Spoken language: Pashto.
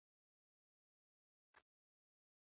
د معرفتي بعدونو د تبیین په خاطر.